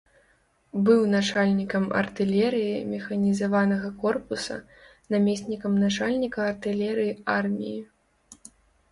Быў начальнікам артылерыі механізаванага корпуса, намеснікам начальніка артылерыі арміі.